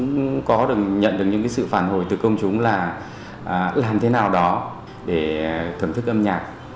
chúng tôi cũng có nhận được những cái sự phản hồi từ công chúng là làm thế nào đó để thưởng thức âm nhạc